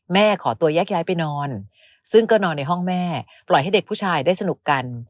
ขอตัวแยกย้ายไปนอนซึ่งก็นอนในห้องแม่ปล่อยให้เด็กผู้ชายได้สนุกกัน